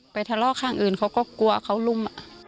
ทะเลาะข้างอื่นเขาก็กลัวเขาลุม